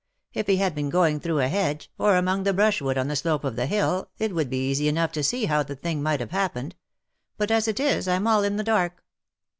If he had been going through a hedge^ or among the brushwood on the slope of the hill_, it would be easy enough to see how the thing might have happened ; but as it is, I'm all in the dark."